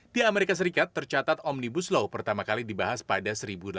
di amerika serikat tercatat omnibus law pertama kali dibahas pada seribu delapan ratus